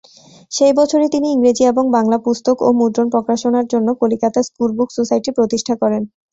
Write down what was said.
সেই বছরই তিনি ইংরেজি এবং বাংলা পুস্তক মুদ্রণ ও প্রকাশনার জন্য ‘কলিকাতা স্কুল বুক সোসাইটি’ প্রতিষ্ঠা করেন।